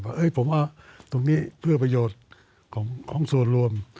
ว่าผมเอาตรงนี้เพื่อประโยชน์ของส่วนรวม